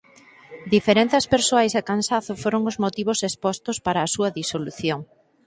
Diferenzas persoais e cansazo foron os motivos expostos para a súa disolución.